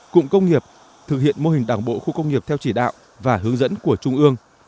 cụm công nghiệp thực hiện mô hình đảng bộ khu công nghiệp theo chỉ đạo và hướng dẫn của trung ương